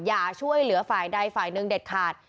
อย่าช่วยเหลือฝ่ายใดฝ่ายหนึ่งเด็ดขาด